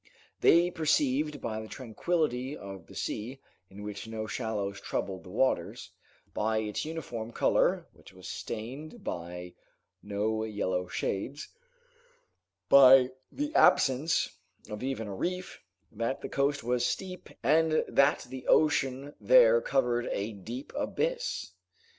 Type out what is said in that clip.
They perceived by the tranquillity of the sea, in which no shallows troubled the waters, by its uniform color, which was stained by no yellow shades, by the absence of even a reef, that the coast was steep and that the ocean there covered a deep abyss.